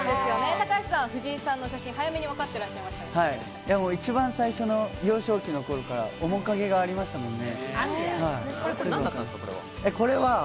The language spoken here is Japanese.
高橋さん、藤井さんの写真、早めにわかって一番最初の幼少期の頃から面影がありましたもんね。